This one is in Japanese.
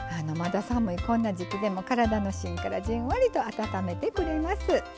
まだ寒いこんな時期でも体の芯からじんわりと温めてくれます。